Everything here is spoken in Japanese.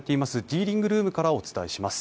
ディーリングルームからお伝えします。